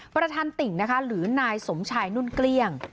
ประธานติ่งนะคะหรือนายสมชายนุ่นเกลี้ยง